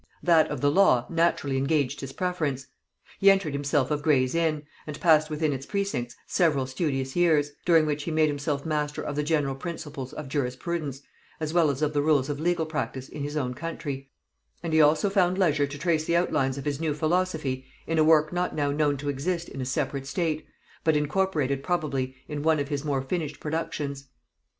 That of the law naturally engaged his preference. He entered himself of Gray's Inn, and passed within its precincts several studious years, during which he made himself master of the general principles of jurisprudence, as well as of the rules of legal practice in his own country; and he also found leisure to trace the outlines of his new philosophy in a work not now known to exist in a separate state, but incorporated probably in one of his more finished productions.